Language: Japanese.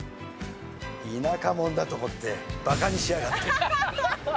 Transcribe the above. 田舎者だと思ってばかにしやがって。